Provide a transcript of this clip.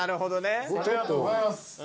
ありがとうございます。